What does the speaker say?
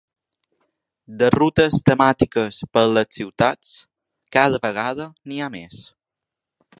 De rutes temàtiques per les ciutats, cada vegada n’hi ha més.